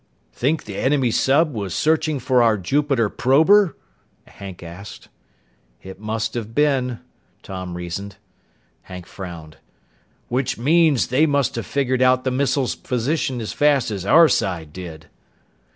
"Think the enemy sub was searching for our Jupiter prober?" Hank asked. "It must have been," Tom reasoned. Hank frowned. "Which means they must have figured out the missile's position as fast as our side did."